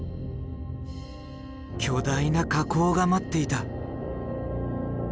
巨大な火口が待っていた。